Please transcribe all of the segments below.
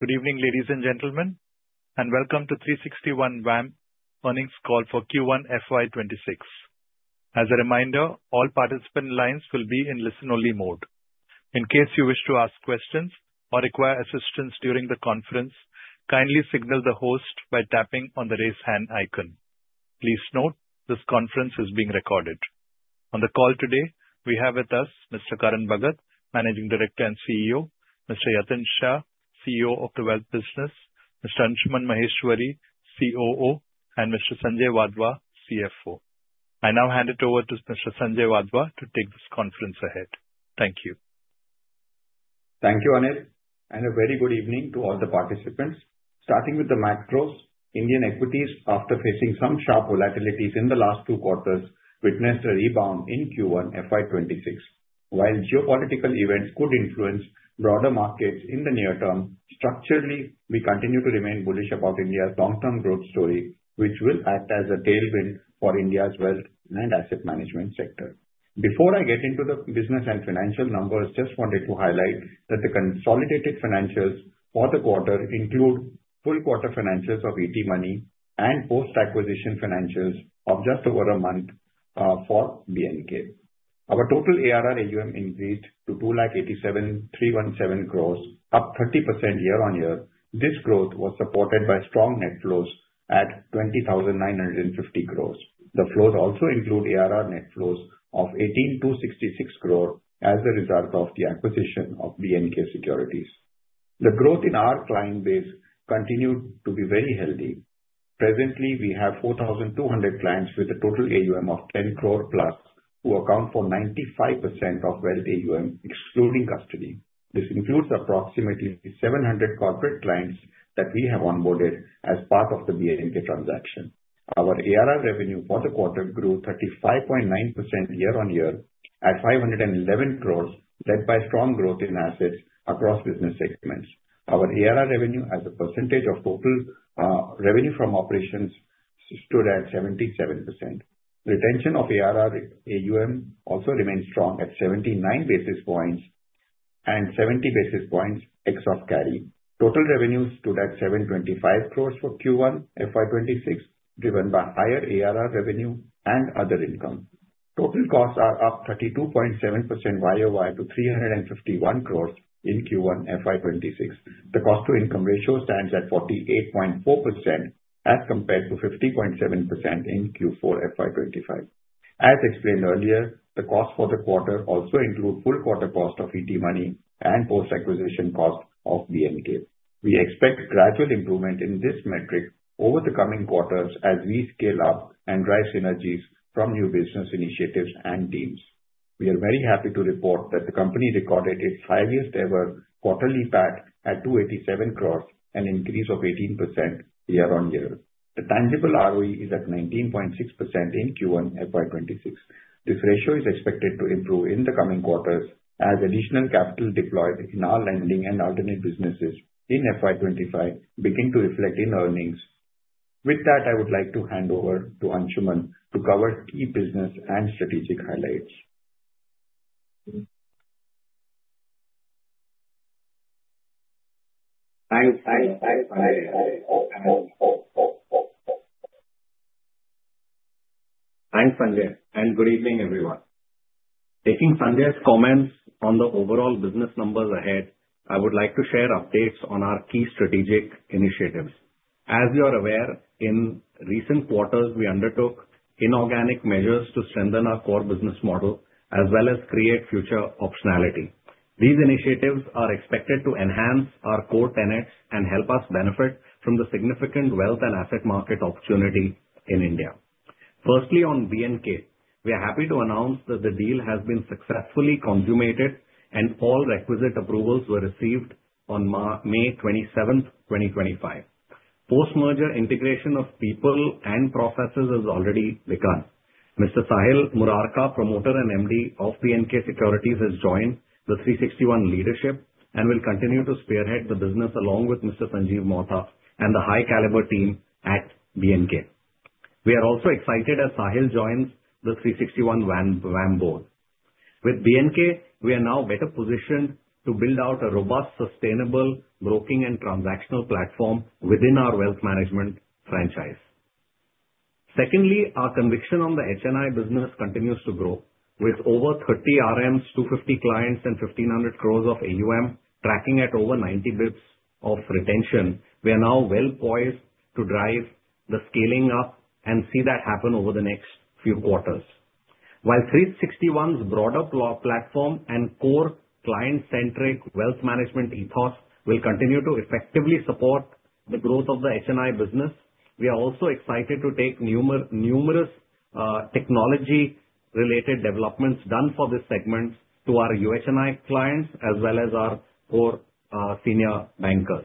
Good evening ladies and gentlemen, and welcome to 360 ONE WAM Earnings Call for Q1FY26. As a reminder, all participant lines will be in listen-only mode. In case you wish to ask questions or require assistance during the conference, kindly signal the host by tapping on the raise hand icon. Please note this conference is being recorded. Today we have with us Mr. Karan Bhagat. Bhagat, Managing Director and CEO, Mr. Yatin Shah, CEO of the Wealth business, Mr. Anshuman Maheshwary, COO, and Mr. Sanjay Wadhwa, CFO. I now hand it over to Mr. Sanjay Wadhwa to take this conference ahead. Thank you. Thank you, Anil, and a very good. evening to all the participants. Starting with the macros, Indian equities after facing some sharp volatilities in the last two quarters witnessed a rebound in Q1FY26. While geopolitical events could influence broader markets in the near term, structurally we continue to remain bullish about India's long term growth story which will act as a tailwind for India's wealth and asset management sector. Before I get into the business and financial numbers, just wanted to highlight that the consolidated financials for the quarter include full quarter financials of ET Money and post acquisition financials of just over a month for BNK. Our total ARR AUM increased to 2,87,317 crore, up 30% year on year. This growth was supported by strong net flows at 20,950 crore. The flows also include ARR net flows of 1,866 crore as a result of the acquisition of BNK Securities. The growth in our client base continued to be very healthy. Presently we have 4,200 clients with a total AUM of 10 crore plus who account for 95% of wealth AUM excluding custody. This includes approximately 700 corporate clients that we have onboarded as part of the BNK transaction. Our ARR revenue for the quarter grew 35.9% year on year at 511 crore led by strong growth in assets across business segments. Our ARR revenue as a percentage of total revenue from operations stood at 77%. Retention of ARR AUM also remains strong at 79 basis points and 70 basis points ex off carry. Total revenue stood at 725 crore for Q1FY26 driven by higher ARR revenue and other income. Total costs are up 32.7% year on year to 351 crore in Q1FY26. The cost-to-income ratio stands at 48.4% as compared to 50.7% in Q4FY25. As explained earlier, the cost for the. Quarter also include full quarter cost of. ET Money and post acquisition cost of BNK. We expect gradual improvement in this metric over the coming quarters as we scale up and drive synergies from new business initiatives and teams. We are very happy to report that the company recorded its highest ever quarterly PAT at 287 crore, an increase of 18% year on year. The tangible ROE is at 19.6% in Q1 FY26. This ratio is expected to improve in the coming quarters as additional capital deployed in our lending and alternate businesses in FY25 begin to reflect in earnings. With that I would like to hand over to Anshuman to cover key business and strategic highlights. Thanks, Sanjay, and good evening everyone. Taking Sanjay's comments on the overall business numbers ahead, I would like to share updates on our key strategic initiatives. As you are aware, in recent quarters we undertook inorganic measures to strengthen our core business model as well as create future optionality. These initiatives are expected to enhance our core tenets and help us benefit from the significant wealth and asset market opportunity in India. Firstly, on BNK Securities, we are happy to announce that the deal has been successfully consummated and all requisite approvals were received on May 27, 2025. Post-merger integration of people and processes has already begun. Mr. Sahil Murarka, Promoter and Managing Director of BNK Securities, has joined the 360 ONE WAM leadership and will continue to spearhead the business along with Mr. Sanjeev Mata and the high-caliber team at BNK Securities. We are also excited as Sahil joins the 360 ONE WAM board. With BNK Securities, we are now better positioned to build out a robust, sustainable broking and transactional platform within our wealth management franchise. Secondly, our conviction on the HNI business continues to grow with over 30 RMS, 250 clients, and 1,500 crores of AUM tracking at over 90 bps of retention. We are now well poised to drive the scaling up and see that happen over the next few quarters. While 360 ONE WAM's broader platform and core client-centric wealth management ethos will continue to effectively support the growth of the HNI business, we are also excited to take numerous technology-related developments done for this segment to our UHNI clients as well as our core senior bankers.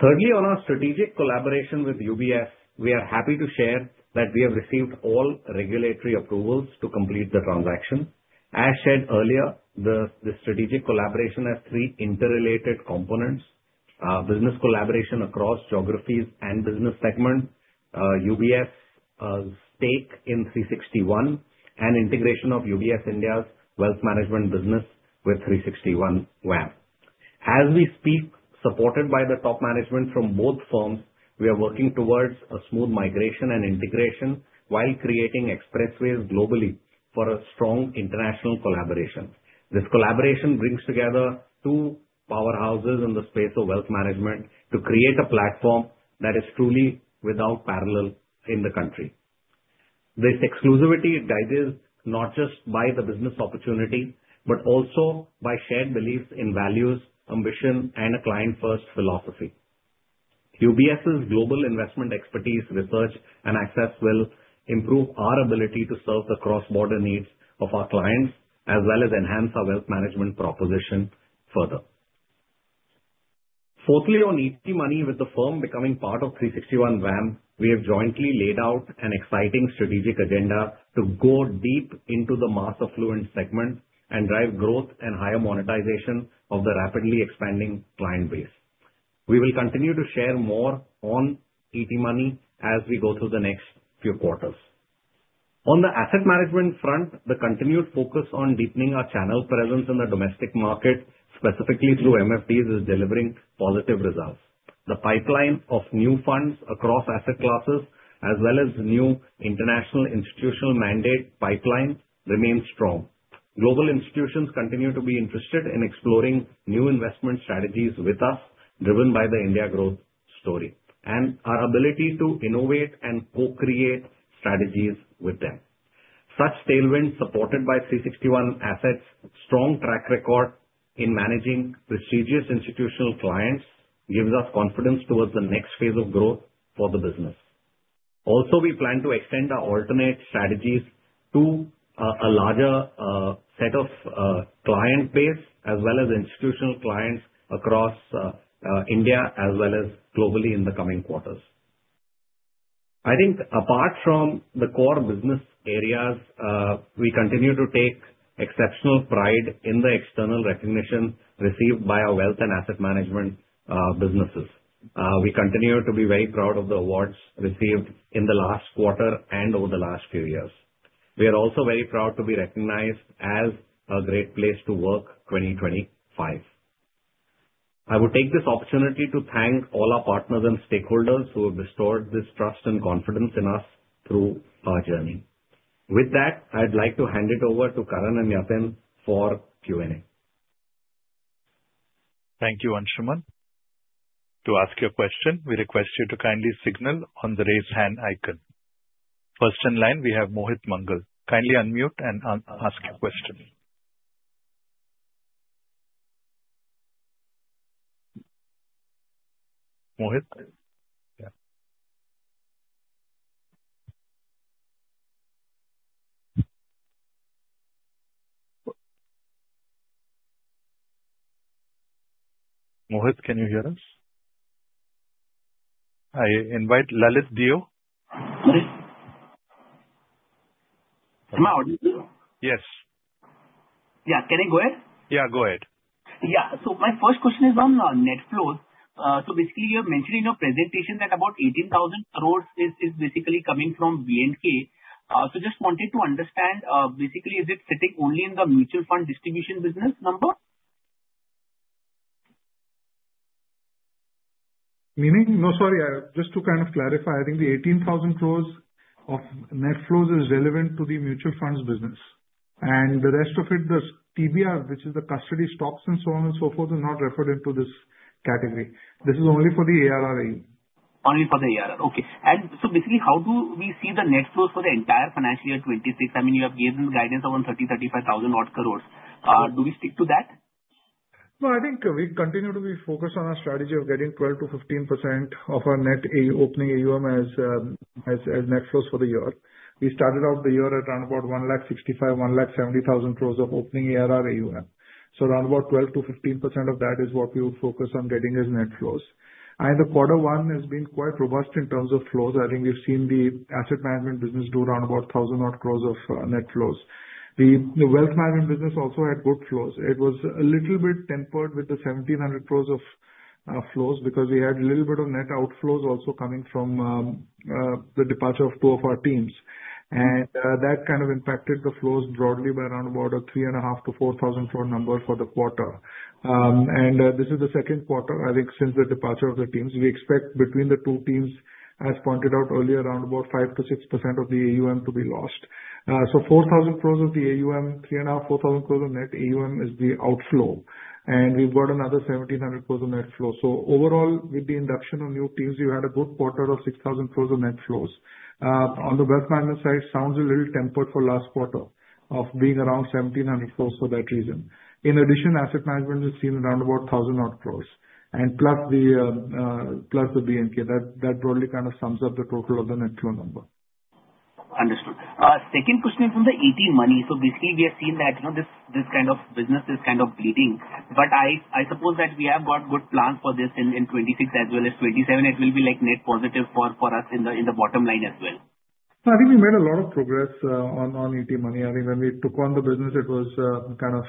Thirdly, on our strategic collaboration with UBS, we are happy to share that we have received all regulatory approvals to complete the transaction. As shared earlier, the strategic collaboration has three interrelated components: business collaboration across geographies and business segments, UBS stake in 360 ONE WAM, and integration of UBS India's wealth management business with 360 ONE WAM as we speak. Supported by the top management from both firms, we are working towards a smooth migration and integration while creating expressways globally for a strong international collaboration. This collaboration brings together two powerhouses in the space of wealth management to create a platform that is truly without parallel in the country. This exclusivity is guided not just by the business opportunity but also by shared beliefs in values, ambition, and a client-first philosophy. UBS's global investment expertise, research, and access will improve our ability to serve the cross-border needs of our clients as well as enhance our wealth management proposition further. Fourthly, on ET Money, with the firm becoming part of 360 ONE WAM, we have jointly laid out an exciting strategic agenda to go deep into the mass affluent segment and drive growth and higher monetization of the rapidly expanding client base. We will continue to share more on ET Money as we go through the next few quarters. On the asset management front, the continued focus on deepening our channel presence in the domestic market, specifically through MFTs, is delivering positive results. The pipeline of new fund launches across asset classes as well as the new international institutional mandate pipeline remains strong. Global institutions continue to be interested in exploring new investment strategies with us, driven by the India growth story and our ability to innovate and co-create strategies with them. Such tailwinds, supported by 360 ONE WAM's strong track record in managing prestigious institutional clients, give us confidence towards the next phase of growth for the business. Also, we plan to extend our alternate investment funds strategies to a larger set of client base as well as institutional clients across India as well as globally in the coming quarters. I think apart from the core business areas, we continue to take exceptional pride in the external recognition received by our wealth and asset management businesses. We continue to be very proud of the awards received in the last quarter and over the last few years. We are also very proud to be recognized as a Great Place to Work 2025. I would take this opportunity to thank all our partners and stakeholders who have restored this trust and confidence in. Us through our journey. With that, I'd like to hand it over to Karan and Yatin for Q and A. Thank you, Anshuman. To ask your question, we request you to kindly signal on the raise hand icon. First in line, we have Mohit Mangal. Kindly unmute and ask your question. Mohit, can you hear us? I invite Lalit Dio. Come out. Yes. Yeah, can I go ahead? Yeah, go ahead. Yeah. My first question is on net flows. You have mentioned in your presentation that about 18,000 crore is coming from BNK Securities. I just wanted to understand, is it sitting only in the mutual fund distribution business number. Meaning? Sorry, just to kind of clarify. I think the 18,000 crore of net. Flows is relevant to the mutual funds. Business and the rest of it. The TBR, which is the custody stocks. So on and so forth is. Not referred into this category. This is only for the ARR, only for the ARR. Okay. Basically, how do we see the net flows for the entire financial year 2026? I mean, you have given guidance of 130,000 to 135,000 crore. Do we stick to that? No, I think we continue to be. Focused on our strategy of getting 12 to 15% of our net opening AUM as net flows for the year. We started off the year at around 165,000, 170,000 crores of opening ARR AUM. Around 12 to 15% of that is what we would focus on. Getting as net flows. The quarter one has been quite robust in terms of flows. I think we've seen the asset management business do around about 1,000 crore of net flows. The wealth management business also had good flows. It was a little bit tempered with the 1,700 crores of flows because we had a little bit of net outflows also coming from the departure of two of our teams. That kind of impacted the flows. Broadly by around about 3. A half to 4,000 crore number for the quarter. This is the second quarter, I think, since the departure of the teams. We expect between the two teams. Pointed out earlier, around about 5% to 6% of the AUM to be lost. 4,000 crores of the AUM, 3.5. 4,000 crore of net AUM is the. Outflow, and we've got another 1.7 billion of net flow. Overall, with the induction of new. Teams, you had a good quarter of 6,000 crore of net flows. On the wealth management side, sounds a little tempered for last quarter of being around 1,700 crore for that reason. In addition, asset management has seen around about 1,000 crore and plus the. BNK, that broadly kind of sums up. The total of the net flow number. Understood. Second question from ET Money. We have seen that this kind of business is kind of bleeding, but I suppose that we have got good plans for this in 2026 as well as 2027. It will be net positive for us in the bottom line as well. I think we made a lot of progress on ET Money. I mean, when we took on the. Business, it was kind of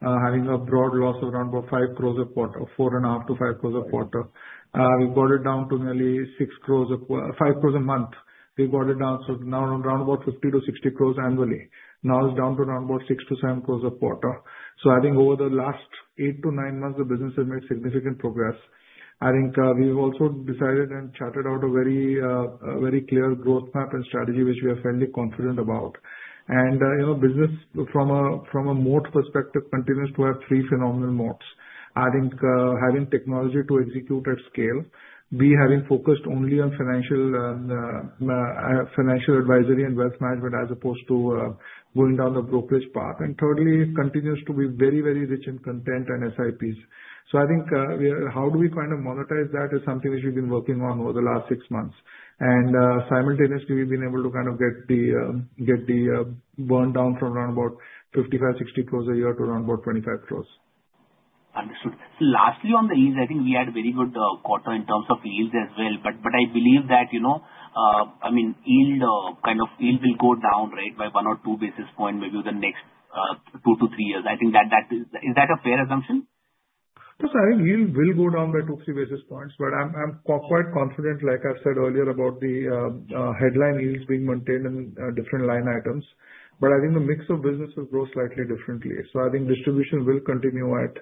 having a. Broad loss of around 5 crore. A quarter, 4.5 to 5 crore a quarter. We've got it down to nearly 6 crore, 5 crore a month. We got it down so now around. About 50 to 60 crore annually. Now it's down to around about 6 crore. To 7 crore a quarter. I think over the last eight. To nine months, the business has made significant progress. I think we've also decided and charted. out a very clear growth map and strategy, which we are fairly confident about. Business from a moat perspective continues. To have three phenomenal modes, having technology to execute at scale B. Having focused only on. Financial advisory and. Wealth management as opposed to going down the brokerage path, and thirdly, continues to be very, very rich in content and SIPs. I think how do we kind. To monetize that is something which we've been working on over the last six months, and simultaneously we've been able to. Kind of get the burn down from. Around about 5,560 crore a year too. Around about 25 crore. Understood. Lastly, on the yields, I think we had a very good quarter in terms of yields as well. I believe that yield will go down by one or two basis points, maybe in the next two to three years. I think that is a fair assumption. I think yield will go down. or 3 basis points. I'm quite confident like I've said. Earlier about the headline yields being maintained. In different line items. I think the mix of businesses grow slightly differently. I think distribution will continue at.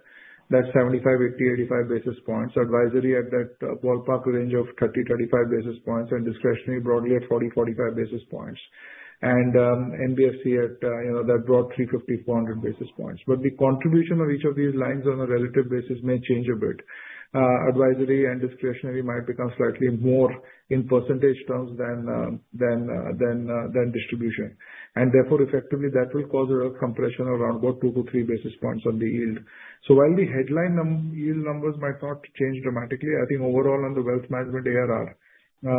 That 75, 80, 85 basis points. Advisory at that ballpark range of 30, 35 basis points, and discretionary broadly at. 40, 45 and NBFC at that brought 350 to 400 basis points. The contribution of each of these lines on a relative basis may change a bit. Advisory and discretionary might become slightly more. In percentage terms than distribution, and therefore. Effectively, that will cause a compression of around 2 to 3 basis points on the yield. While the headline yield numbers might not change dramatically, I think overall on the wealth management arrangement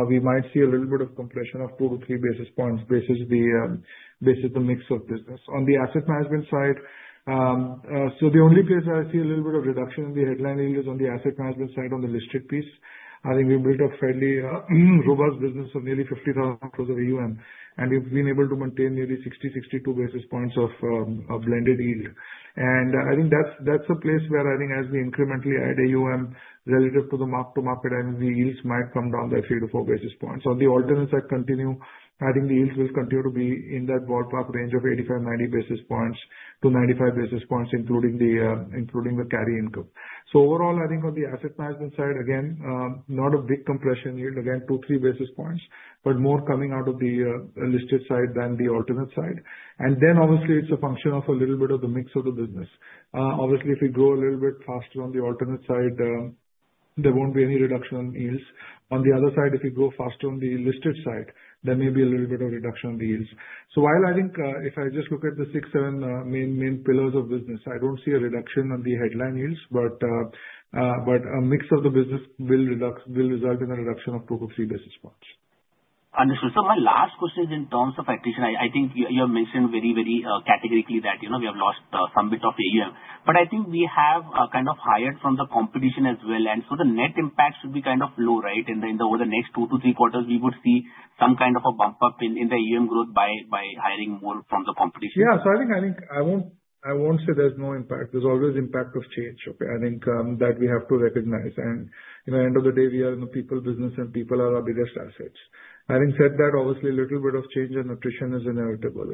we might see. A little bit of compression of 2%. To 3 basis points. The mix of business on the asset management side, so the only place I see a little bit of reduction in the headline yield is on the asset. Management side on the listed piece. I think we built a fairly robust business of nearly 50,000 crore of AUM, and we've been able to maintain nearly 60 to 62 basis points of blended yield. I think that's a place where, as we incrementally add AUM relative to the mark to market, I— Mean the yields might come down. Three to four basis points. On the alternate side, continue. I think the yields will continue to. Be in that ballpark range of 85. 90 basis points to 95 basis points. Including the carry income, overall I think on the asset management side, again, not a big compression. Yield, again 2 or 3 basis points. More coming out of the listed side than the alternate side. It's a function of a little bit of the mix of the business. Obviously, if we go a little bit. Faster on the alternate side, there won't. Be any reduction in yields. On the other side, if you go faster on the listed side, there may. be a little bit of reduction on the yields. If I just look at the six, seven main pillars of business, I don't see a reduction on the headline yields, but a mix of the business will result in a reduction of 2 to 3 basis points. Understood, sir. My last question is in terms of attrition. I think you have mentioned very, very categorically that we have lost some bit of AUM, but I think we have kind of hired from the competition as well. The net impact should be kind of low, right? In the, over the next two to three quarters, we would see some kind of a bump up in the AUM growth by hiring more from the competition. Yeah, I think I. Won't say there's no impact. There's always impact of change. I think that we have to recognize. You know, end of the day. We are in the people business, and people are our biggest assets. Having said that, obviously a little bit. Change in attrition is inevitable.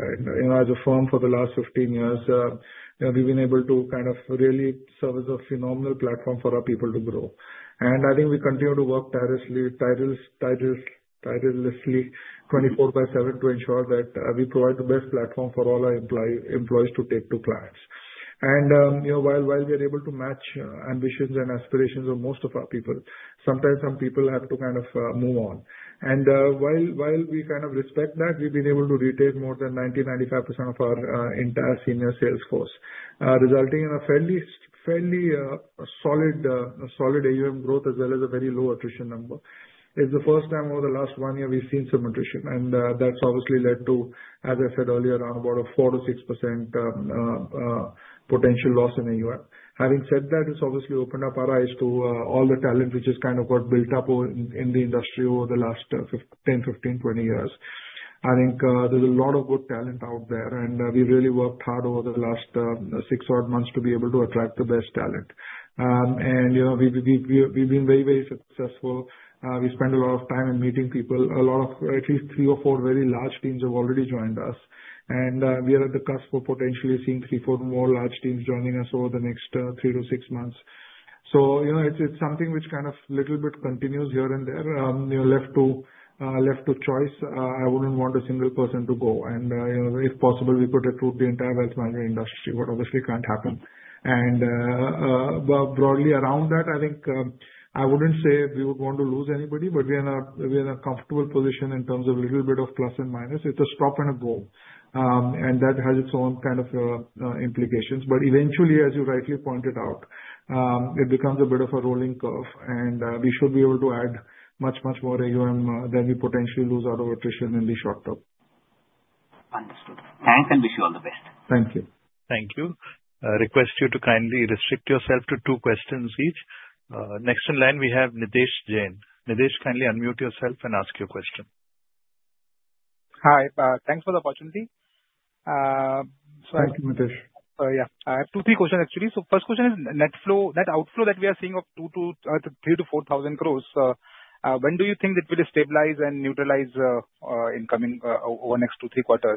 As a firm for the last 15. Years we've been able to kind of. Really serve as a phenomenal platform for. Our people to grow. I think we continue to work. Tirelessly 24/7 to ensure that we provide the best platform for all our. Employees to take to clients. While we are able to match ambitions and aspirations of most of our. People, sometimes some people have to kind of move on, and while we kind of respect that. We've been able to retain more than 90-95% of our entire senior sales force, resulting in fairly solid AUM growth as well as a very low attrition number. It's the first time over the last. One year we've seen some attrition. That's obviously led to, as I said. Earlier on, about a 4% to 6%. Potential loss in AUM. Having said that, it's obviously opened up our eyes to all the talent which has kind of got built up in. The industry over the last 10, 15, 20 years. I think there's a lot of good talent out there, and we really worked. Over the last six odd months, to be able to attract the best talent, and we've been very, very successful. We spend a lot of time in meeting people. A lot of at least three. Four very large teams have already joined us and we are at the cusp of potentially seeing three, four more large teams joining us over the next three to six months. It's something which kind of little bit continues here and there. Left to choice, I wouldn't want a single person to go and if possible we could recruit the entire wealth management industry. What obviously can't happen, and broadly around that, I think I wouldn't say we. Would want to lose anybody, but we are in a comfortable position in terms of a little bit of plus and minus. It's a stop and a go. That has its own kind of implications. Eventually, as you rightly pointed out, it becomes a bit of a rolling curve and we should be able to. Add much, much more AUM than we potentially lose out of attrition in the short term. Understood. Thanks, and wish you all the best. Thank you. Thank you. I request you to kindly restrict yourself to two questions each. Next in line we have Nitesh Jain Nadesh. Kindly unmute yourself and ask your question. Hi, thanks for the opportunity. I have two, three questions actually. The first question is net flow, net. Outflow that we are seeing of 2. To 3,000 to 4,000 crores. When do you think it will stabilize? you neutralize in coming over next 2, 3/4?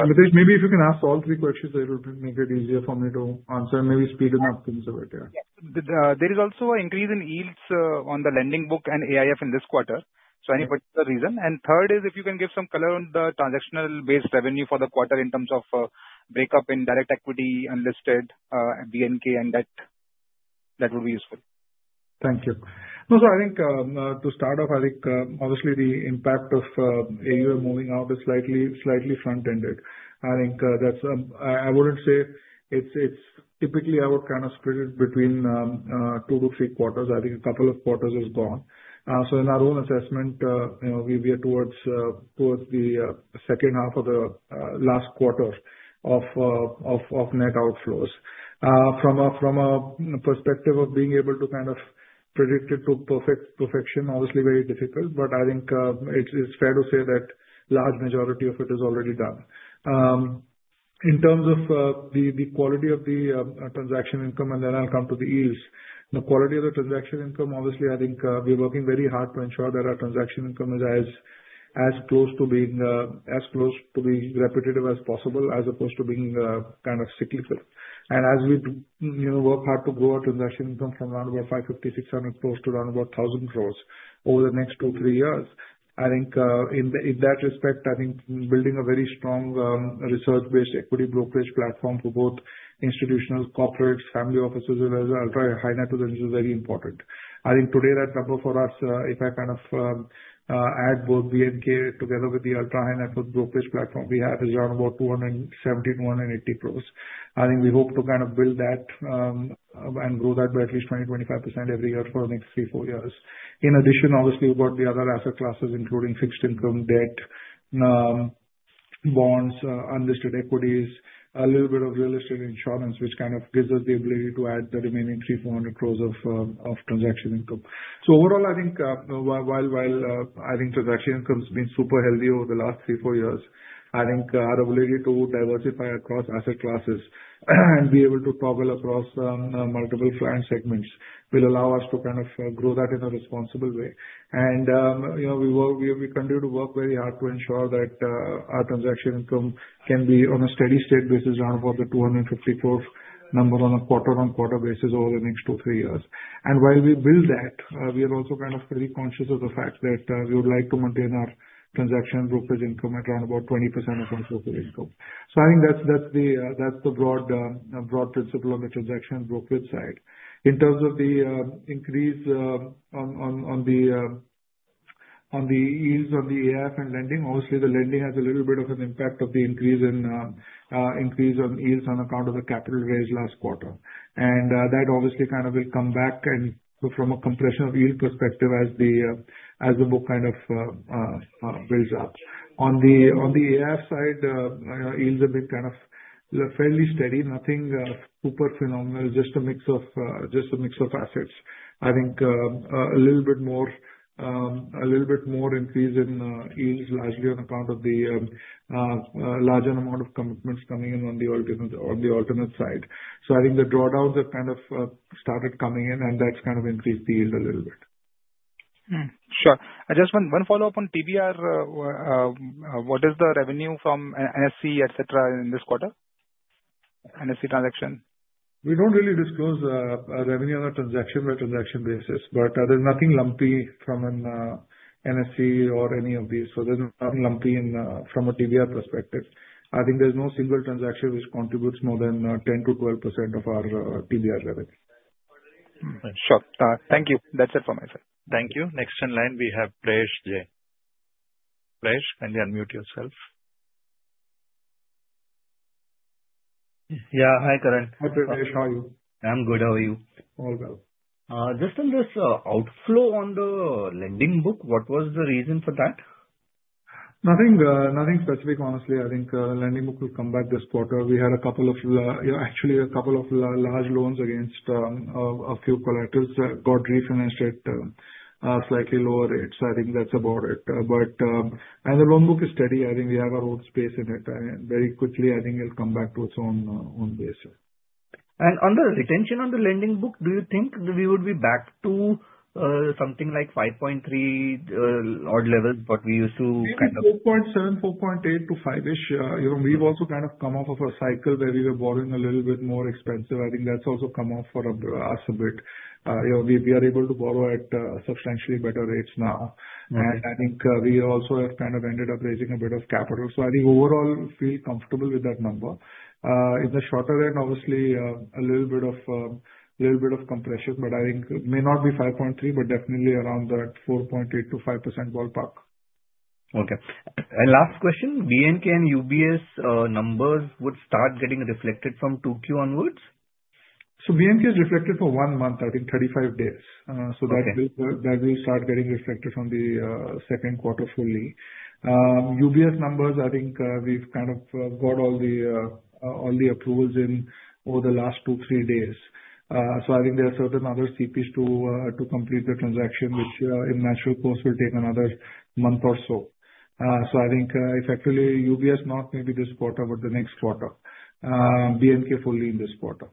Maybe if you can ask all three questions it will make it. Easier for me to answer. Maybe speeding up things a bit. There is also an increase in yields on the lending book and alternate investment funds in this quarter. there any particular reason? Could you give some color on the transactional based revenue? For the quarter in terms of breakup. In direct equity, unlisted BNK Securities and debt. That would be useful. Thank you. No sir, I think to start off. I think obviously the impact of AUM moving out is slightly front ended. I think that's, I wouldn't say it's typically, I would kind of split it. Between two to three quarters. I think a couple of quarters is gone. In our own assessment, we are towards the second half of the last quarter of net outflows from a perspective. Of being able to kind of predict it to perfection. Obviously, very difficult, but I think it's fair to say that large majority of it is already done in terms of. The quality of the transaction income, and then I'll come to the yields, the quality of the transaction income. Obviously. I think we're working very hard to ensure that our transaction income is as. Close to being as close to being repetitive as possible as opposed to being kind of cyclical, as we work hard to grow. Our transaction income from around about 550. 600 crore to around about 1,000 crore over the next two, three years. I think in that respect, building a very strong research-based equity. Brokerage platform for both institutional corporates, family. Offices, high net resources is very important. I think today that number for us. If I kind of add both BNK. Together with the ultra high net worth brokerage platform we have, is around about 270 crore, 280 crore. I think we hope to build that and grow that by at. least 20, 25% every year for the next three, four years. In addition, obviously we've got the other asset classes, including fixed income, debt, bonds. Unlisted equities, a little bit of real estate, insurance, which kind of gives us the ability to add the remaining 3. 400 crore of transaction income. Overall, I think while I think transaction income has been super healthy over. The last three, four years, I think. Our ability to diversify across asset classes and be able to toggle across multiple. Client segments will allow us to kind of grow that in a responsible way. We continue to work very hard. To ensure that our transaction income can. Be on a steady state basis around about the 254 number on a quarter-on-quarter basis over the next two, three years. While we build that, we are. Also, kind of pretty conscious of the fact that we would like to maintain our transaction brokerage income at around about. 20% of our brokerage income. I think that's the broad principle. On the transaction brokerage side, in terms of the increase on the yields of. The AIF and lending, obviously the lending. Has a little bit of an impact. Of the increase on yields on account. Of the capital raised last quarter, that obviously kind of will come back. From a compression of yield perspective, as the book kind of builds up. On the alternate investment funds side, yields a bit. Kind of fairly steady. Nothing super phenomenal, just a mix of assets. I think a little bit more. A little bit more increase in yields. Largely on account of the larger amount. Of commitments coming in on the AUM business on the alternate side. I think the drawdowns have kind of started coming in, and that's kind of increased the yield a little bit. Sure. Just one follow up on AUM. What is the revenue from NSC, etc. In this quarter NFC transaction? We don't really disclose revenue on a. Transaction by transaction basis, but there's nothing lumpy from an NSC or any of these. There's nothing lumpy in from a TBR perspective. I think there's no single transaction which contributes more than 10% to 12% of our TBR level. Sure. Thank you. That's it for myself. Thank you. Next in line we have Praise J. Kindly unmute yourself. Hi Karan, how are you? I'm good. How are you all? Just in this outflow on the lending book, what was the reason for that? Nothing, nothing specific. Honestly, I think lending book will come back this quarter. We had a couple of actually a couple of large loans against a few collectors got refinanced at slightly lower rate. I think that's about it, and the lending book is steady. I think we have our own space in it, and very quickly, I think it'll come back to its own basis. On the retention on the lending. Book, do you think we would be? Back to something like 5.3-odd levels. We used to kind of be at 4.7, 4.8 to 5ish. We've also kind of come off of a cycle where we were borrowing a little bit more expensive. I think that's also come off for us a bit. We are able to borrow at substantially. Better rates now, and I think we. Also have kind of ended up raising. A bit of capital, I think overall feel comfortable with. That number in the shorter end, obviously. A little bit of. Compression, but I think may not be 5.3% but definitely around that 4.8% to 5% ballpark. Okay, last question, BNK and UBS numbers would start getting reflected from 2Q onwards. BMP is reflected for one month. I think 35 days. That will start getting reflected from the second quarter fully, UBS numbers. think we've kind of got all the approvals in over the last two, three days. I think there are certain other CPs to complete the transaction, which in natural course will take another month or so. I think effectively UBS, not maybe this quarter but the next quarter. BNK fully in this quarter.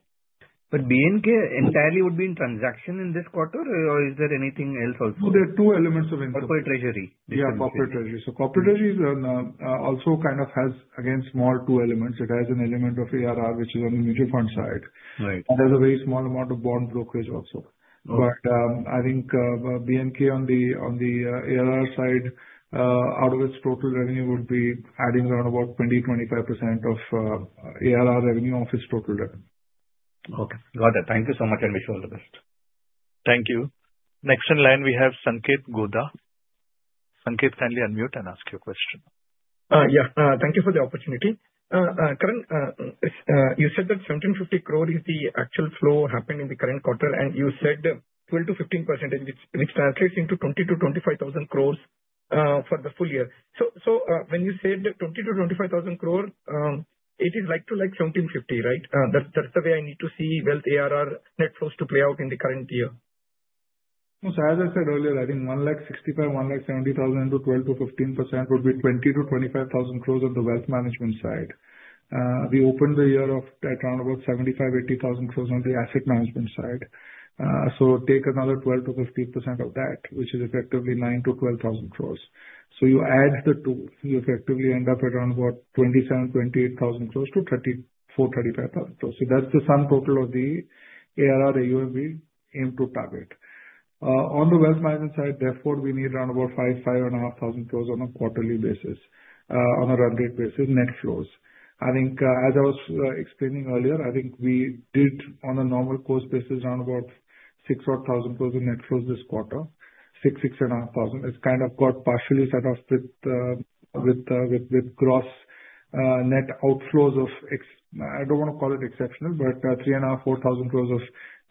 Would BNK entirely be in transaction in this quarter, or is there anything else? Also, there are two elements of corporate treasury. Yeah, corporate treasury. Corporate treasury also kind of has. Again, small two elements. It has an element of ARR revenue which is on the mutual fund side. Right. It has a very small amount of bond brokerage also. I think BNK on the ARR. Side out of its total revenue would. Be adding around about 20, 25% of ARR revenue. Office total. Okay, got it. Thank you so much. We wish you all the best. Thank you. Next in line we have Sanket Goda. Sanket, kindly unmute and ask your question. Thank you for the opportunity. You said that 1,750 crore is the actual flow happened in the current quarter and you said 12 to 15%. Which translates into 20,000 to 25,000 crores. For the full year, when you said 20,000 to 25,000 crore, it is like to like 17,500, right? That's the way I need to. See Wealth ARR net flows to play. Out in the current year. As I said earlier, I think 1,65,000, 1,70,000 to 12 to 15% would be 20,000 to 25,000 crores. On the wealth management side, we opened the year at around about 75,000 to 80,000 crores on the asset management side. Take another 12 to 15% of. That which is effectively 9,000 to 12,000 crores. You add the two, you effectively. End up at around about 27,000 28,000 crores to 435,000 crores. That's the sum total of the ARR AUM we aim to target on. The wealth management side. Therefore, we need around about 5,000 to 5,500 crore on a quarterly basis. On a run rate basis, net flows. I think as I was explaining earlier. I think we did on a normal course basis around 6,000 crore in net flows this quarter. Six, six and a half thousand. It's kind of got partially set off. With gross net outflows of, I don't want to call it exceptional, but 3.5-4,000 crores of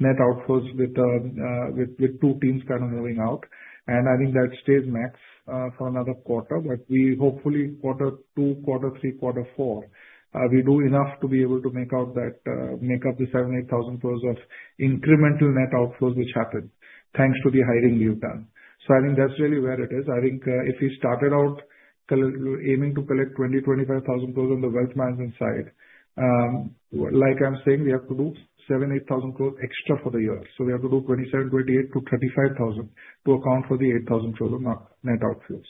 net. Outflows with two teams kind of rolling out. I think that stays max for another quarter. Hopefully, quarter two, quarter three, quarter four, we do enough to be. Able to make out that make up the 78,000 crores of incremental net outflows. Which happened thanks to the hiring we've done. I think that's really where it is. I think if we started out aiming to collect 20,000, 25,000 crores on the wealth management side, like I'm saying, we have to do 7,000, 8,000 crores extra for the year. We have to do 27,000, 28,000. To 35,000 to account for the 8,000. crores of net outflows.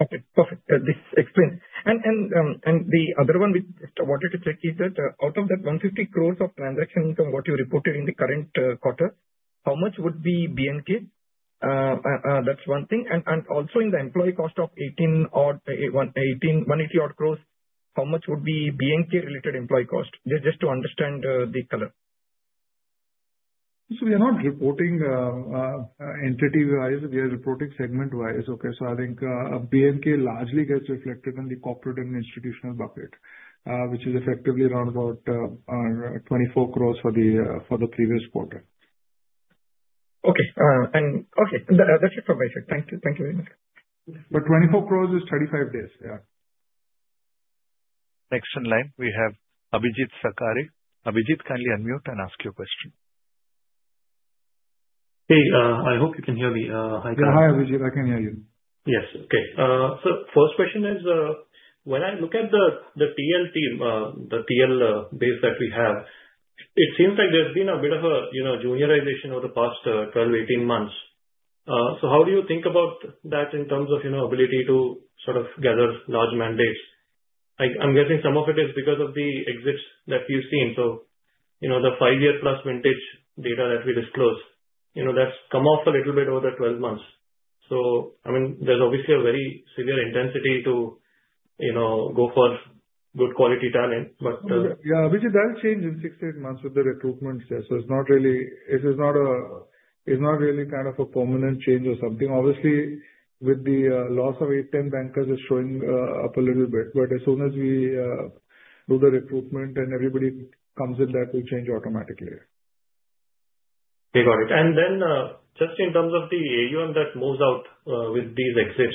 Okay, perfect. This explains. The other one which I wanted to check is that out of that 150 crore of transaction income, what you reported in the current quarter, how much would be BNK? That's one thing. Also, in the employee cost of 180 odd crore, how much would be BNK related employee cost? Just to understand the color. We are not reporting entity wise, we are reporting segment wise. Okay. I think BNK largely gets reflected. In the corporate and institutional bucket, which. Is effectively around about 24 crore for the previous quarter. Okay. Okay, that's it for myself. Thank you. Thank you very much. 24 crore is 35 days. Yeah. Next in line we have Abhijit Sakari. Abhijit, kindly unmute and ask your question. Hey, I hope you can hear me. Hi Abhijit. I can hear you. Yes. Okay, first question is when I look at the TL team, the TL base that we have, it seems like there's been a bit of a juniorization over the past 12 to 18 months. How do you think about that in terms of ability to gather large mandates? I'm guessing some of it is because of the exits that we've seen. The five year plus vintage data that we disclose, that's come off a little bit over the 12 months. There's obviously a very severe intensity to go for good quality talent. Yeah, which does change in six. To eight months with the recruitment. It is not really kind of a. Permanent change or something. Obviously, with the loss of 810 bankers, it is showing up a little bit. As soon as we do the recruitment and everybody comes in, that will change automatically. They got it. Just in terms of the AUM that moves out with these exits,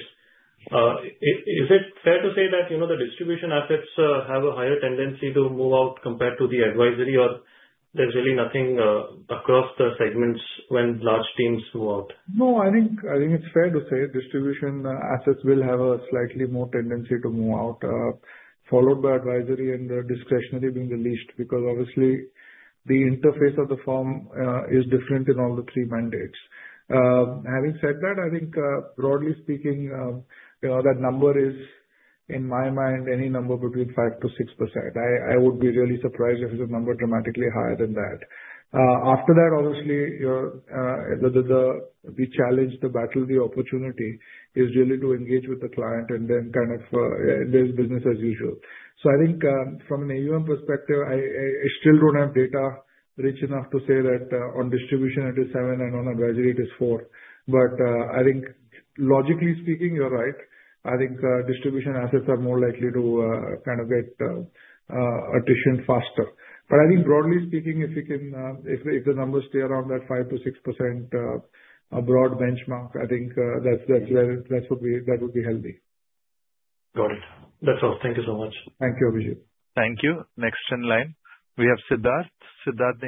is it fair to say that the distribution assets have a higher tendency to move out compared to the advisory, or there's really nothing across the segments when large teams move out? No, I think it's fair to say. Distribution assets will have a slightly more tendency to move out, followed by advisory and discretionary being the least, because obviously the interface of the firm is different. In all the three mandates. Having said that, I think broadly speaking. That number is in my mind any number between 5% to 6%. I would be really surprised if it's a number dramatically higher than that. After that, obviously, the challenge, the battle. The opportunity is really to engage with. The client, and then kind of there's business as usual. I think from an AUM perspective, I still don't have data rich enough. To say that on distribution it is seven and on advisory it is four. I think logically speaking you're right. I think distribution assets are more likely to kind of get addition faster. I think broadly speaking, if we. Can, if the numbers stay around that. 5 to 6% abroad benchmark, I think that's where that would be. That would be healthy. Got it. That's all. Thank you so much. Thank you, Abhijit. Thank you. Next in line we have Siddharth. Siddharth,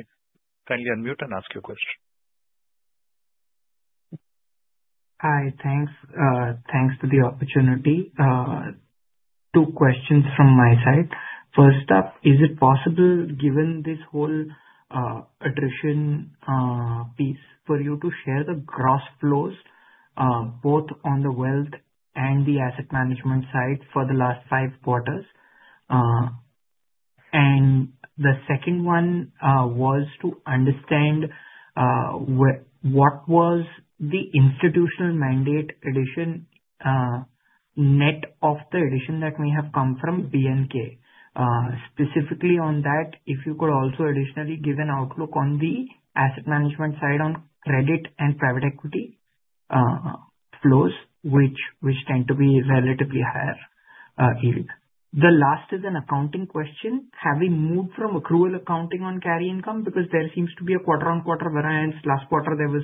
kindly unmute and ask your question. Hi. Thanks. Thanks for the opportunity. Two questions from my side. First up, is it possible given this whole attrition piece for you to share? The gross flows, both on the wealth. On the asset management side for the last five quarters, the second one was to understand what was the institutional mandate addition. Net. Of the addition that may have come from BNK specifically on that, if you could also additionally give an outlook on the asset management side on credit and private equity flows which tend to be relatively higher yield. The last is an accounting question. Have we moved from accrual accounting on carry income? Because there seems to be a quarter on quarter variance. Last quarter there was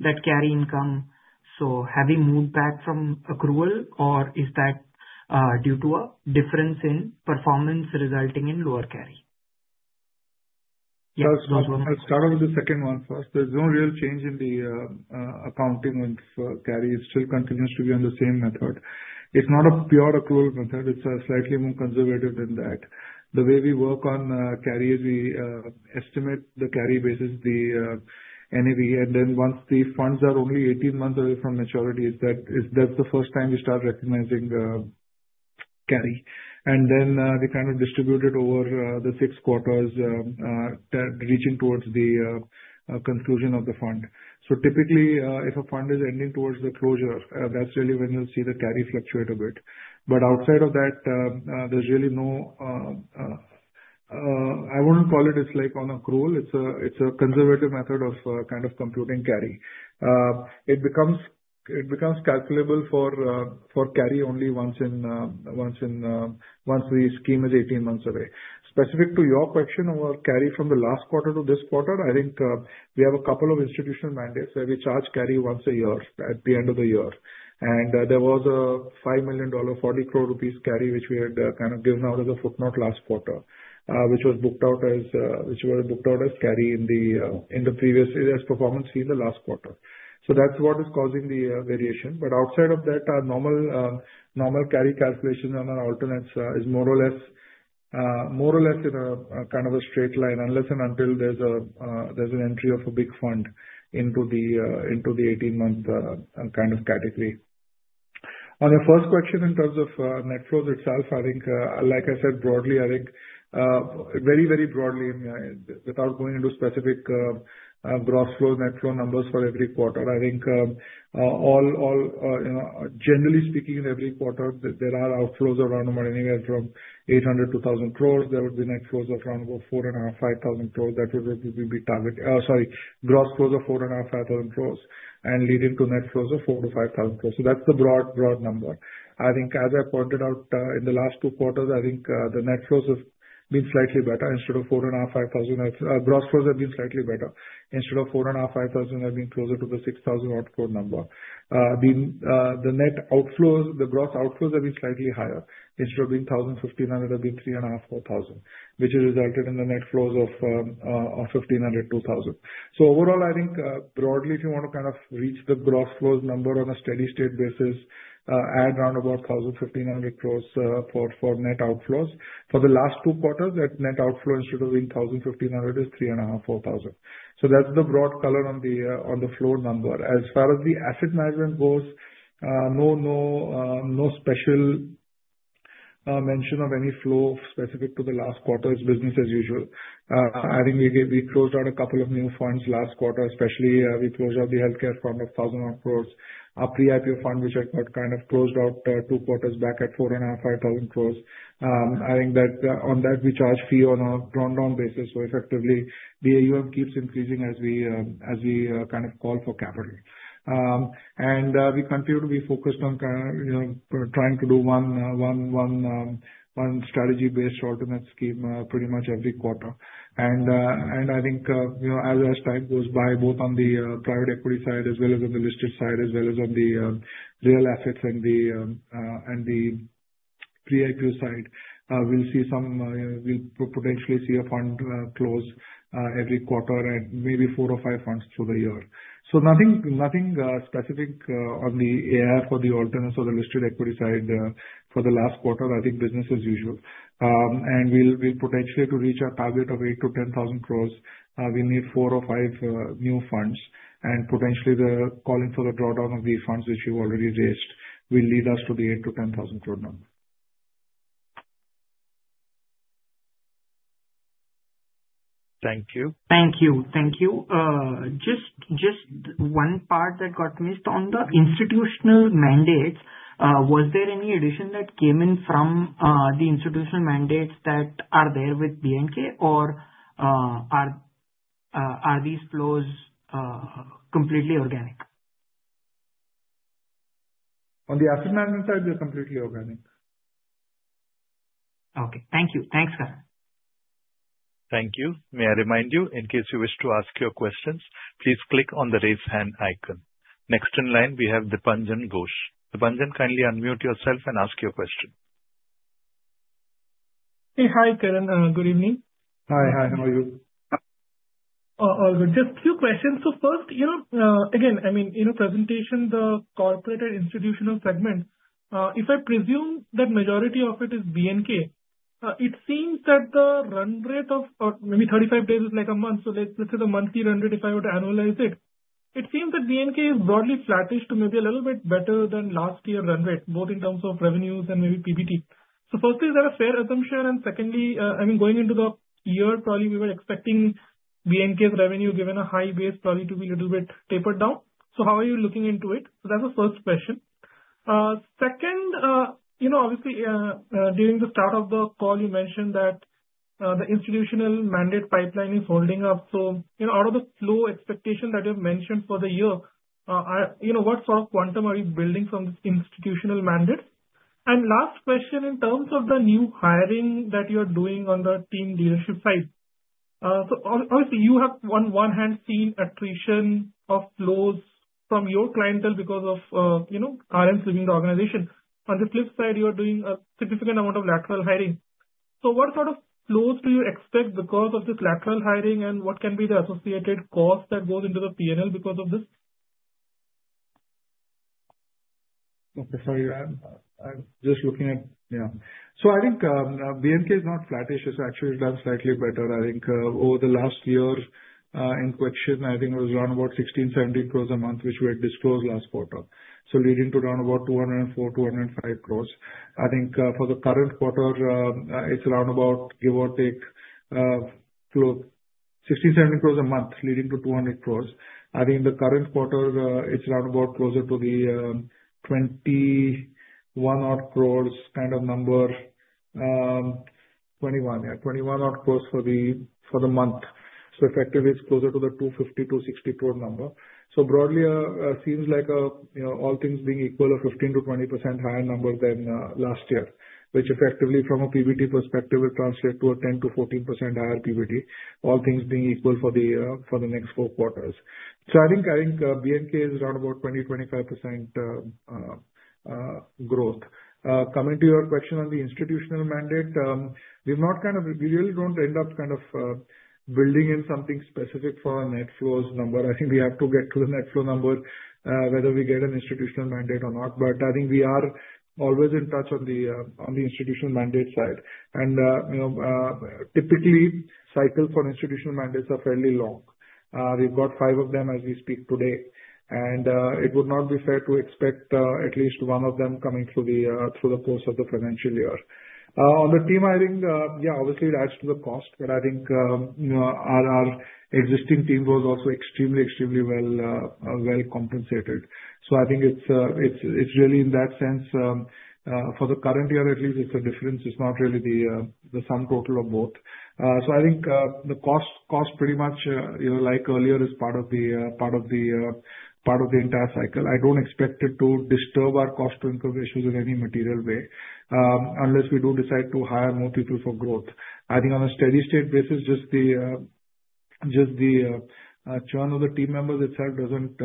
that carry income. Have we moved back from accrual or is that due to a difference in performance resulting in lower carry? I'll start off with the second one first. There's no real change in the accounting of carry. It still continues to be on the same method. It's not a pure accrual method. It's slightly more conservative than that. The way we work on carries, we estimate the carry basis, the NAV, and then once the funds are only 18. Months away from maturity, that's the first. Time you start recognizing carry. We kind of distribute it over the six quarters, reaching towards the conclusion of the fund. Typically, if a fund is ending towards the closure, that's really when you'll. See the carry fluctuate a bit. Outside of that, there's really no. I wouldn't call it. It's like on accrual. It's a conservative method of kind of computing carry. It becomes calculable for carry only once in. Once in, once. The scheme is 18 months away. Specific to your question or carry from. The last quarter to this quarter. I think we have a couple of institutional mandates where we charge carry once. A year at the end of the year. There was a $5.40 million. crore rupees carry which we had kind of given out as a footnote last quarter, which was booked out as, which. Were booked out as carry in the previous year's performance fee in the last quarter. That's what is causing the variation. Outside of that, normal carry calculation on our alternates is more or less in a kind of a straight line unless and until there's an entry of. A big fund into the 18-month kind of category. On your first question, in terms of. Net flows itself, I think, like I said broadly, I think very, very broadly, without going into specific gross flow, net flow numbers for every quarter, generally speaking, in every quarter there are outflows around anywhere from 800 crore to 1,000 crore. There will be net flows of around 4,500 crore to 5,000 crore. That would be target, sorry, gross flows. Of 4.5 billion to 5.0 billion and leading to net flows of 4.0 billion to 5.0 billion. That's the broad, broad number. I think as I pointed out in. The last two quarters, I think the Net flows have been slightly better instead. Of 4,500-5,000. Gross flows have been slightly better instead of 4,500-5,000. Have been closer to the 6,004 number. The net outflows, the gross outflows have. Been slightly higher. Instead of being 1,000, 1,500 have been 3.5. 4,000, which resulted in the net flows of INR 1,500-2,000. Overall, I think broadly, if you want to kind of reach the gross. Flows number on a steady state basis at around about 1,500 crore for net. Outflows for the last two quarters. That net outflow instead of being 1,500 million is 3,500–4,000 million. That's the broad color on the floor number as far as the asset management goes. No special mention of any flow specific. To the last quarter's business as usual. I think we closed out a couple of new fund launches last quarter, especially we closed out the healthcare fund of 1,000 odd crores. Our pre IPO fund which I got. Kind of closed out two quarters back at 4.5-5 billion. I think that on that, we charge fee on a drawdown basis. Effectively, the AUM keeps increasing as. We, as we kind of call for. Capital, and we continue to be focused on trying to do one strategy-based. Alternate scheme pretty much every quarter. I think as time goes by, both on the private equity side as. As on the listed side as well as on the real assets and. The pre-IPO side, we'll potentially see a fund close every quarter and maybe four or five funds through the year. Nothing specific on the ARR for the alternates or the listed equity side. For the last quarter. I think business as usual. We'll potentially reach our target of. 8,000 to 10,000 crores. We need four or five new fund launches and potentially calling for the drawdown of. Refunds which you already raised will lead us to the 8,000 to 10,000 crore number. Thank you. Thank you, thank you. Just one part that got missed on the institutional mandates. Was there any addition that came in from the institutional mandates that are there with BNK, or are these flows completely organic? On the asset management side? We are completely organic. Okay, thank you. Thanks Karan. Thank you. May I remind you, in case you wish to ask your questions, please click on the raise hand icon. Next in line we have Dipanjan Ghosh. Dipanjan, kindly unmute yourself and ask your question. Hi Karan. Good evening. Hi. Hi. How are you? All good. Just a few questions. First, in the presentation, the corporate and institutional segment, if I presume that majority of it is BNK Securities, it seems that the run rate of, or maybe 35 days is like a month. Let's say the monthly run rate, if I would analyze it, it seems that BNK Securities is broadly flattish to maybe a little bit better than last year run rate both in terms of revenues and maybe PBT. Firstly, is that a fair assumption? Secondly, going into the year, probably we were expecting BNK Securities' revenue, given a high base, probably to be a little bit tapered down. How are you looking into it? That's the first question. Second, during the start of the call you mentioned that the institutional mandate pipeline is holding up. Out of the flow expectation that you've mentioned for the year, what sort of quantum are you building from this institutional mandate? Last question, in terms of the new hiring that you are doing on the team leadership side. You have on one hand seen attrition of flows from your clientele because of RMC organization. On the flip side, you are doing a significant amount of lateral hiring. What sort of flows do you expect because of this lateral hiring and what can be the associated cost that goes into the P&L because of this? Okay, sorry, I'm just looking at. Yeah, I think BNK is not. Flattish, it's actually done slightly better. I think over the last year. Question, I think it was around about. 16, 17 crores a month which we had disclosed last quarter, leading to around 204, 205 crores. I think for the current quarter, it's. Around about, give or take, 60 crore, 70 crore a month, leading to 200 crore. I think the current quarter, it's around about closer to the 21 crore kind of number. 21, yeah, 21 odd crores for the month. Effectively, it's closer to the 250 to 260 crore number. Broadly, seems like all things being equal, a 15 to 20% higher number. Than last year, which effectively from a. PBT perspective will translate to a 10%. To 14% higher PVD, all things being equal, for the next four quarters. I think BNK is around 20% to 25%. Growth. Coming to your question on the institutional mandate, we've not kind of, we really. Don't end up kind of building in something specific for net flows number. I think we have to get to the net flow number whether we get an institutional mandate or not. I think we are always in touch on the institutional mandate side. Typically, cycle for institutional. Mandates are fairly long. We've got five of them as we speak today, and it would not be fair to expect at least one of. Them coming through the course of the. Financial year on the team. I think, yeah, obviously it adds to. The cost, but I think our existing. team was also extremely, extremely well compensated. I think it's really in that. Sense for the current year at least, it's a difference. It's not really the sum total of both. I think the cost, pretty much like earlier, is part of the entire cycle. I don't expect it to disturb our operations. Cost-to-income ratios in any material. Way, unless we do decide to hire. More people for growth. I think on a steady state basis, just the churn of the. Team members itself doesn't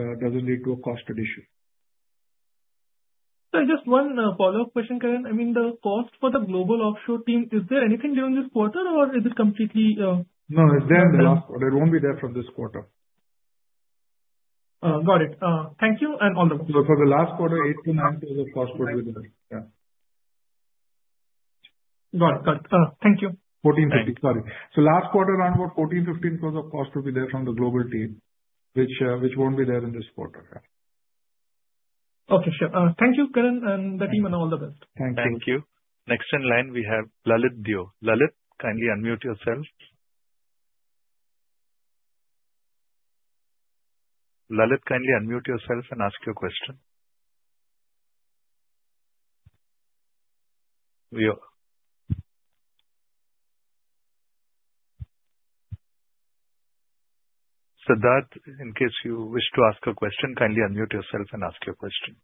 lead to a cost addition. Just one follow up question, Karan. I mean the cost for the global offshore team, is there anything during this quarter or is it completely. No, it's there in the last quarter. It won't be there for this quarter. Got it. Thank you. For the last quarter, eight to nine. Thank you. 1450. Sorry. Last quarter around what? 1.415 billion of cost will be there. From the global team, which won't be there in this quarter. Okay, sure. Thank you, Karan, and the team, and all the best. Thank you. Next in line we have Lalit Dio. Lalit Dio, kindly unmute yourself. Lalit, kindly unmute yourself and ask your question. Siddharth, in case you wish to ask a question, kindly unmute yourself and ask your question.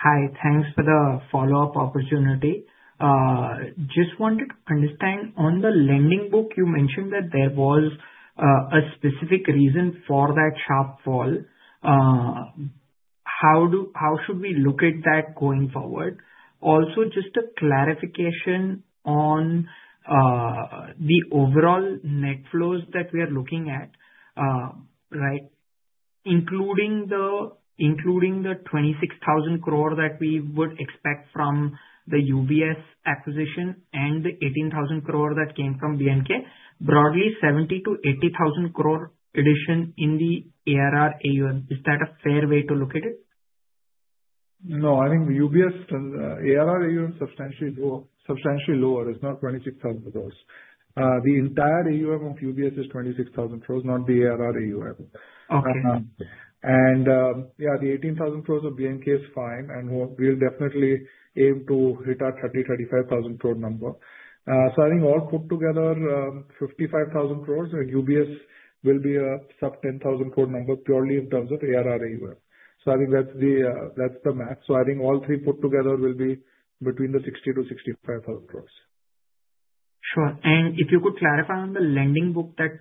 Hi, thanks for the follow-up opportunity. Just wanted to understand on the lending book, you mentioned that there was a specific reason for that sharp fall. How should we look at that going forward? Also, just a clarification on the overall net flows that we are looking at. Right. Including the 26,000 crore that we would expect from the UBS acquisition and the 18,000 crore that came from BNK Securities. Broadly, 70,000 to 80,000 crore addition in the ARR AUM. Is that a fair way to look at it? No, I think the UBS ARR AUM, substantially lower, is not $26,000. The entire AUM of UBS is $26,000. Crores, not the ARR AUM. The 18,000 crores of BNK is fine. We will definitely aim to hit our targets. 35,000 crore number. I think all put together, 55,000 crore and UBS will be a sub 10,000 crore number purely in terms of AUM. I think that's the math. I think all three put together. Will be between the 60,000 to 65,000 crores. Sure. If you could clarify on the lending book, that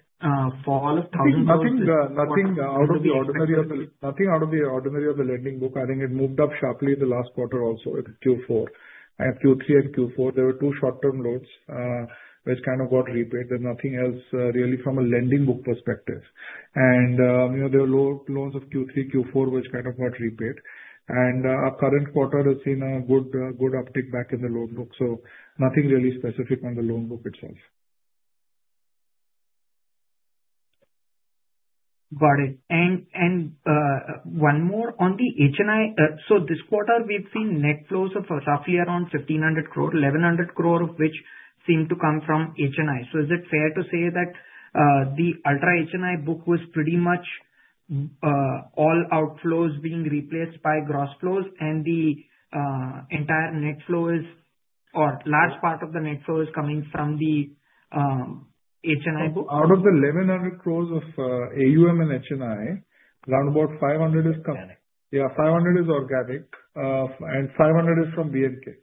fall of 1,000. Nothing. Out of the ordinary of the lending book, I think it moved up sharply the last quarter. Also Q3 and Q4 there. Were two short term loans which kind of got repaid. There's nothing else really from a lending book perspective. There are low loans of Q3, Q4 which kind of got repaid. Our current quarter has seen a good uptick back in the lending book. Nothing really specific on the lending book itself. Got it. One more on the HNI. This quarter we've seen net flows of roughly around 1,500 crore, 1,100 crore of which seem to come from HNI. Is it fair to say that the ultra HNI book was 3, pretty much all outflows being replaced by gross flows, and the entire net flow is or large part of the net flow is coming from the HNI book? Out of the 1.1 billion of AUM. HNI, round about 500 is coming. Yeah, 500 million is organic and 500 million is from BNK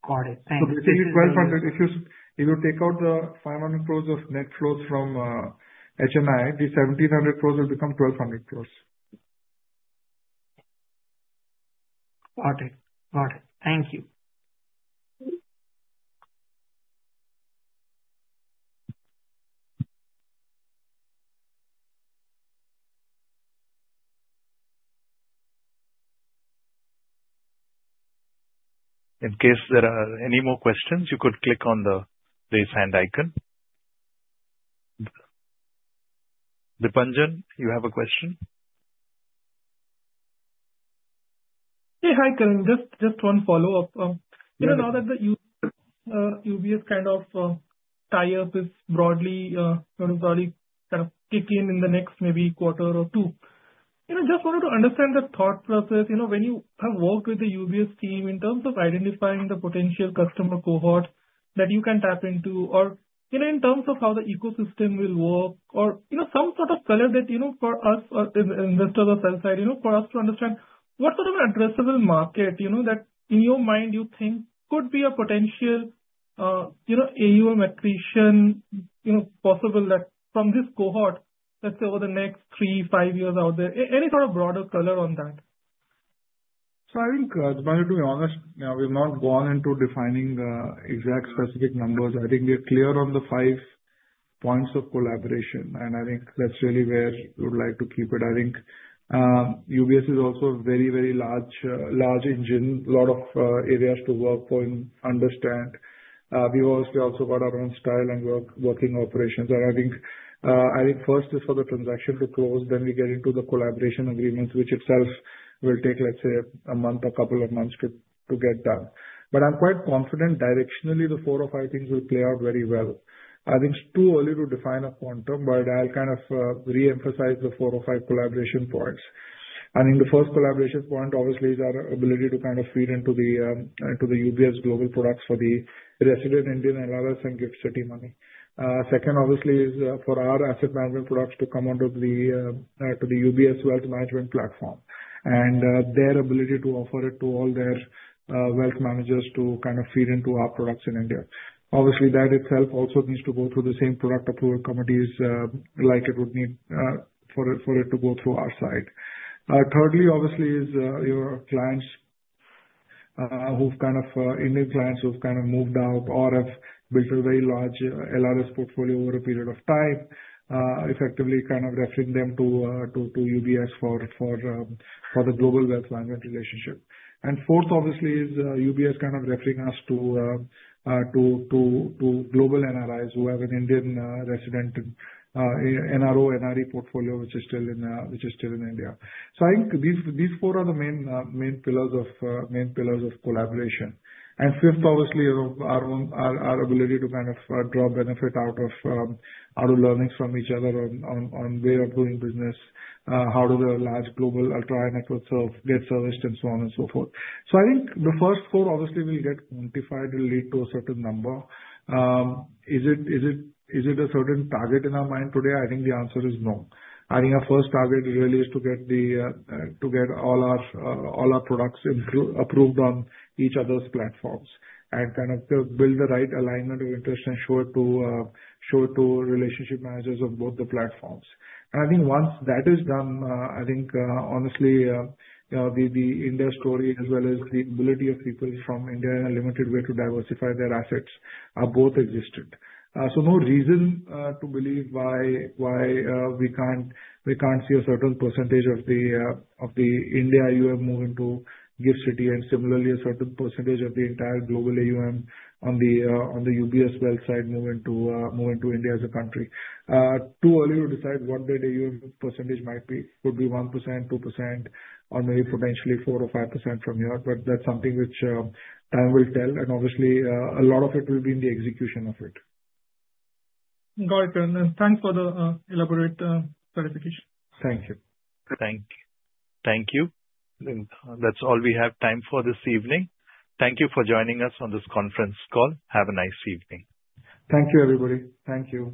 Securities. Got it, thank you. If you take out the 500 crore of net flows from HNI, the 1,700 crore will become 1,200 crore. Got it. Got it. Thank you. In case there are any more questions, you could click on the raise hand icon. Dipanjan, you have a question. Hey. Hi Karan. Just one follow up. You know now that the UBS kind of tie up is broadly kind of kick in in the next maybe quarter or two, you know, just wanted to understand the thought process, you know, when you have worked with the UBS team in terms of identifying the potential customer cohort that you can tap into or you know, in terms of how the ecosystem will work or you know, some sort of color that you know, for us or investors or sell side, you know, for us to understand what sort of an addressable market, you know, that in your mind you think could be a potential, you know, AUM attrition, you know, possible that from this cohort, let's say over the next three, five years out there any sort of broader color on that. I think to be honest, we've. Not gone into defining exact specific numbers. I think we are clear on the five points of collaboration, and I think. That's really where we would like to keep it. I think UBS is also a very, very large engine, a lot of areas to work for and understand. We've also got our own style and working operations, and I think. First is for the transaction to close. We get into the collaboration agreements. Which itself will take, let's say, a. A couple of months to get done. I'm quite confident directionally the four or five things will play out very well. I think it's too early to define. A quantum, but I'll kind of re-emphasize the four or five collaboration points. I think the first collaboration point obviously is our ability to kind of feed into the UBS global products for the resident Indian LLRs and GIFT City money. Second, obviously, is for our asset management. Products to come out of the UBS Wealth Management platform and their. Ability to offer it to all their wealth managers to kind of feed into. Our products in India. Obviously, that itself also needs to go through the same product approval committees. It would need for it to go through our side. Thirdly, obviously, is your clients who've kind of Indian clients who've kind of moved out or have built a very large LRS portfolio over a period of time. Effectively kind of referring them to UBS. For the global wealth management relationship. Fourth obviously is UBS kind of. Referring us to. Global NRIs who have an Indian resident NRO, NRE portfolio, which. Is still in India. I think these four are the. Main pillars of collaboration. Fifth, obviously our ability to kind of draw benefit out of how do learnings from each other on way of. Doing business, how do the large global. Ultra high net worth get serviced. On and so forth. I think the first four obviously. Will get quantified, will lead to a certain number. Is it a certain target in our mind today? I think the answer is no. I think our first target really is to get all our products approved on each other's platforms, build the right alignment of interest, and show it to relationship managers of both the platforms. Once that is done, I think honestly the India story as well as the ability of people from. India in a limited way to diversify. Their assets both existed. is no reason to believe why we can't see a certain percentage of the. India, you have moved into Gift City. Similarly, a certain percentage of the. Entire global AUM. UBS wealth side moving to India as a country. Too early to decide what the AUM % might be. Could be 1%, 2%, or maybe potentially. 4 or 5% from here, but that's. Something which time will tell, and obviously a lot of it will be in the execution of it. Got it. Thanks for the elaborate clarification. Thank you. Thank you. Thank you. That's all we have time for this evening. Thank you for joining us on this conference call. Have a nice evening. Thank you, everybody. Thank you.